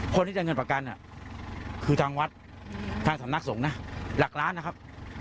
คนที่จะเงินประกันคือทางวัดทางสำนักสงฆ์นะหลักล้านนะครับ